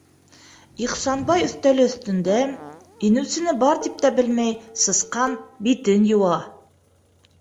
Ихсанбай өҫтәле өҫтөндә, инеүсене бар тип тә белмәй, сысҡан битен йыуа.